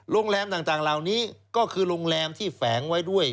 โรงแรมต่างเหล่านี้ก็คือโรงแรมที่แฝงไว้ด้วย